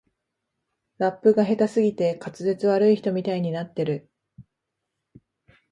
ラップが下手すぎて滑舌悪い人みたいになってる